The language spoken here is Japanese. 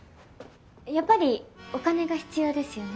やっぱりお金が必要ですよね？